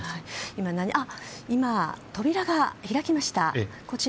扉が開きました。